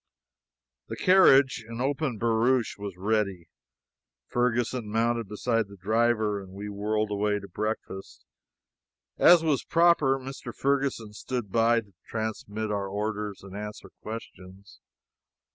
The carriage an open barouche was ready. Ferguson mounted beside the driver, and we whirled away to breakfast. As was proper, Mr. Ferguson stood by to transmit our orders and answer questions.